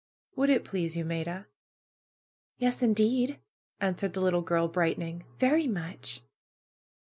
Would it please you, Maida?'* ^'Yes, indeed," answered the little girl, brightening. "Very much